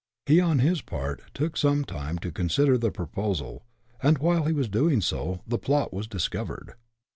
He, on his part, took some time to consider the proposal, and while he was doing so, the plot was discovered.